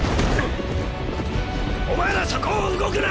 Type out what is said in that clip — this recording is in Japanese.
お前らそこを動くな！！